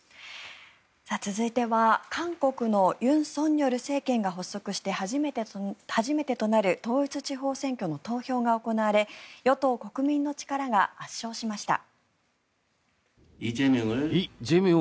続いては韓国の尹錫悦政権が発足して初めてとなる統一地方選挙の投票が行われ与党・国民の力が圧勝しました。